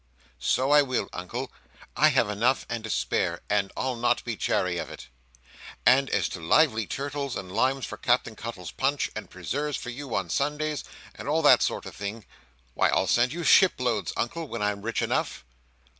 "So I will, Uncle: I have enough and to spare, and I'll not be chary of it! And as to lively turtles, and limes for Captain Cuttle's punch, and preserves for you on Sundays, and all that sort of thing, why I'll send you ship loads, Uncle: when I'm rich enough."